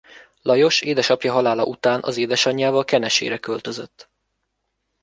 Lajos édesapja halála után az édesanyjával Kenesére költözött.